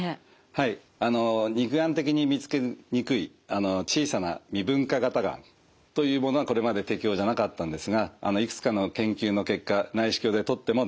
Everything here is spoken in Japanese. はい肉眼的に見つけにくい小さな未分化型がんというものはこれまで適応じゃなかったんですがいくつかの研究の結果内視鏡で取ってもですね